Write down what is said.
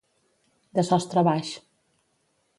De sostre baix.